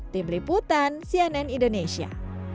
tim liputan cnn indonesia